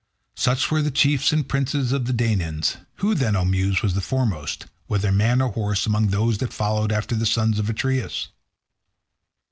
Such were the chiefs and princes of the Danaans. Who, then, O Muse, was the foremost, whether man or horse, among those that followed after the sons of Atreus?